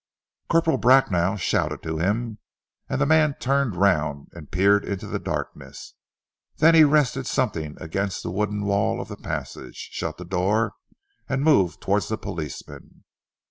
Corporal Bracknell shouted to him, and the man turned round and peered into the darkness, then he rested something against the wooden wall of the passage, shut the door, and moved towards the policeman.